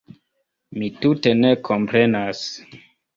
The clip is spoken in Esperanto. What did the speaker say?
Mi tute ne komprenas.